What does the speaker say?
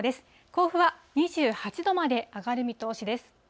甲府は２８度まで上がる見通しです。